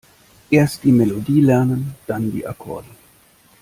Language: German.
Erst die Melodie lernen, dann die Akkorde.